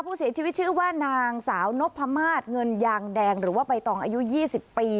ผู้เสียชีวิตชื่อว่านางสาวนพมาศเงินยางแดงหรือว่าใบตองอายุ๒๐ปี